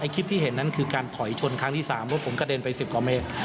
คลิปที่เห็นนั้นคือการถอยชนครั้งที่๓เพราะผมกระเด็นไป๑๐กว่าเมตร